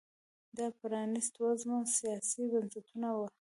دا پرانیست وزمه سیاسي بنسټونه وو